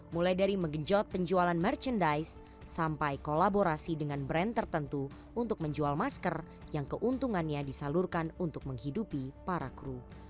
mulai dari menggenjot penjualan merchandise sampai kolaborasi dengan brand tertentu untuk menjual masker yang keuntungannya disalurkan untuk menghidupi para kru